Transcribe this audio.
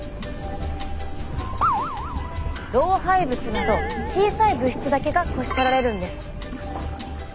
老廃物など小さい物質だけがこし取られるんです。